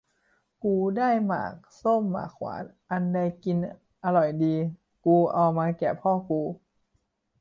กูได้หมากส้มหมากหวาน อันใดกินอร่อยกินดี กูเอามาแก่พ่อกู